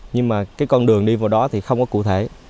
nhưng mà cái con đường đi vào đó thì không có cụ thể